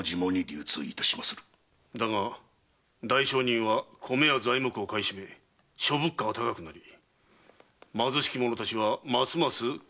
だが大商人は米や材木を買い占め諸物価は高くなり貧しき者達はますます苦しくなっているではないか。